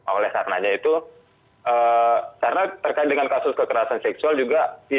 oleh karenanya itu karena terkait dengan kasus kekerasan seksual juga